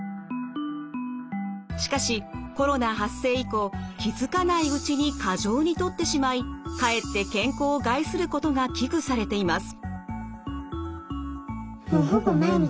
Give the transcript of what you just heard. しかしコロナ発生以降気付かないうちに過剰にとってしまいかえって健康を害することが危惧されています。